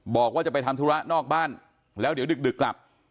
บอกว่าจะไปทำธุระนอกบ้านแล้วเดี๋ยวดึกกลับ